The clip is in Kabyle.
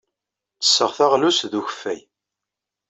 Ttesseɣ taɣlust ed ukeffay.